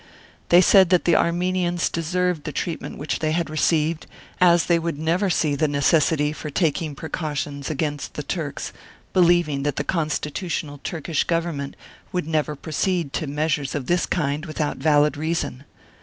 They said that the Armenians deserved the treatment which they had received, as they would never see the necessity for taking precautions against the Turks, believing that the constitutional Turkish Government would never proceed to .measures of this kind without valid reason.